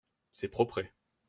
C’est propret.